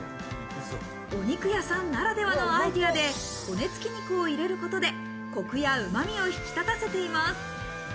お肉屋さんならではのアイデアで、骨付き肉を入れることでコクやうまみを引き立たせています。